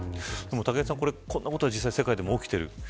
武井さん、こんなことが実際に世界でも起きている。